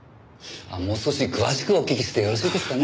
もう少し詳しくお聞きしてよろしいですかね？